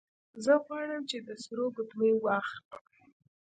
زه غواړم چې د سرو ګوتمۍ واخلم